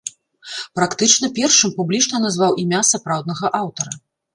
Практычна першым публічна назваў імя сапраўднага аўтара.